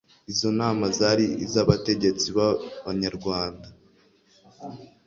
izo nama zari iz'abategetsi b'abanyarwanda